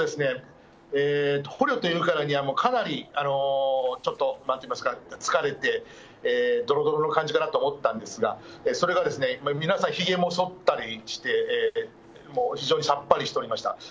捕虜というからには、もうかなり、ちょっとなんていいますか、疲れて、どろどろの感じかなと思ったんですが、それが、皆さん、ひげもそったりして、もう非常にさっぱりしておりました。